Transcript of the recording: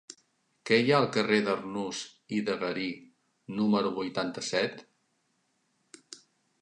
Què hi ha al carrer d'Arnús i de Garí número vuitanta-set?